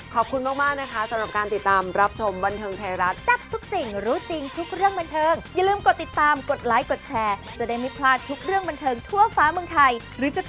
แล้วก็เอาแบบว่ามันเล่าให้ฟังแบบสนุกก็แล้วกันนะคะ